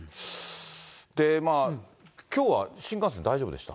で、きょうは新幹線大丈夫でした？